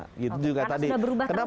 karena sudah berubah terus ya pak